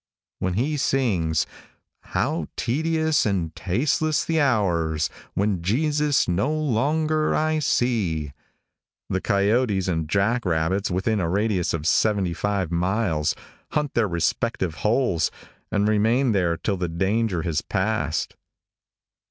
When he sings = ```How tedious and tasteless the hours ````When Jesus no longer I see,= the coyotes and jack rabbits within a radius of seventy five miles, hunt their respective holes, and remain there till the danger has passed.